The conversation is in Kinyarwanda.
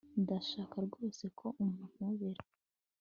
Ndashaka rwose ko umpobera